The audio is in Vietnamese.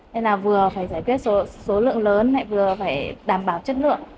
nên là vừa phải giải quyết số lượng lớn lại vừa phải đảm bảo chất lượng